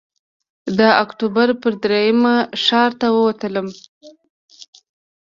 د اکتوبر پر درېیمه ښار ته ووتلم.